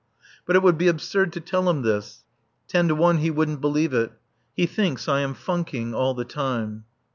But it would be absurd to tell him this. Ten to one he wouldn't believe it. He thinks I am funking all the time.